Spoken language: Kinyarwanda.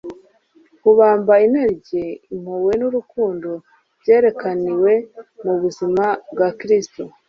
Kubamba inarinjye, impuhwe n'urukundo byerekaniwe mu buzima bwa Kristo